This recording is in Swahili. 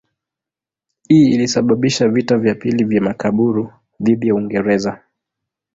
Hii ilisababisha vita vya pili vya Makaburu dhidi ya Uingereza.